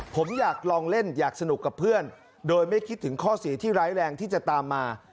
ผมอยากลองเล่นอยากสนุกกับเพื่อนโดยไม่คิดถึงข้อเสียที่ร้ายแรงที่จะตามมา